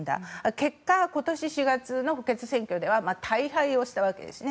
結果、今年４月の補欠選挙では大敗をしたわけですね。